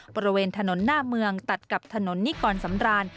บริเวณถนนหน้าเมืองตัดกับถนนนิกรสำราน